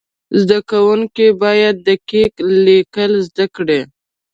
زده کوونکي باید دقیق لیکل زده کړي.